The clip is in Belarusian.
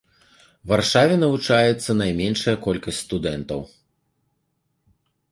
Варшаве навучаецца найменшая колькасць студэнтаў.